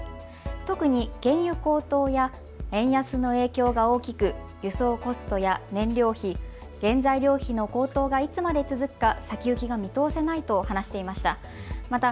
特に原油高騰や円安の影響が大きく、輸送コストや燃料費、原材料費の高騰がいつまで続くか先行きが見通せないと話していました。